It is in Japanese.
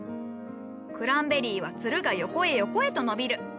クランベリーはツルが横へ横へと伸びる。